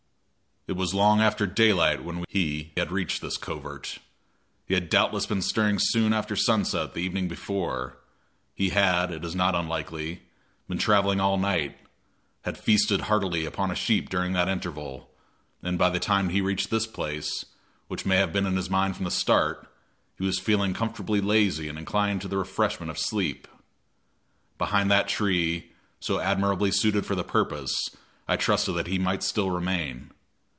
It was long after daylight when he had reached this covert. He had doubtless been stirring soon after sunset the evening before; he had, it is not unlikely, been traveling all night; had feasted heartily upon a sheep during that interval, and by the time he reached this place, which may have been in his mind from the start, was feeling comfortably lazy and inclined to the refreshment of sleep. Behind that tree, so admirably suited for the purpose, I trusted that he might still remain.